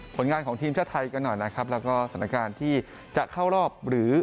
ผลงานของทีมชาติไทยกันหน่อยนะครับแล้วก็สถานการณ์ที่จะเข้ารอบหรือ